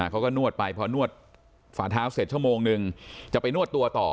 เขาก็นวดไปพอนวดฝาเท้าเสร็จชั่วโมงนึงจะไปนวดตัวต่อ